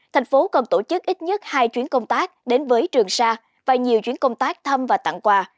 thành phố còn tổ chức ít nhất hai chuyến công tác đến với trường sa và nhiều chuyến công tác thăm và tặng quà